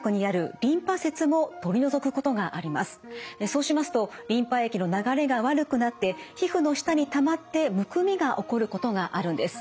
そうしますとリンパ液の流れが悪くなって皮膚の下にたまってむくみが起こることがあるんです。